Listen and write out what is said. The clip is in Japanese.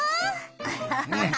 アハハハハ。